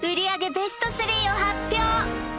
ベスト３を発表！